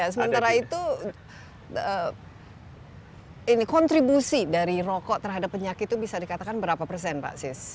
sementara itu kontribusi dari rokok terhadap penyakit itu bisa dikatakan berapa persen pak sis